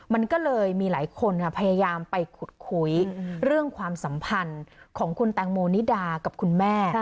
มันก็เลยมีหลายคนพยายามไปขุดคุยเรื่องความสัมพันธ์ของคุณแตงโมนิดากับคุณแม่